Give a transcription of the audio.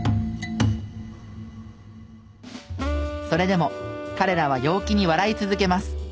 それでも彼らは陽気に笑い続けます。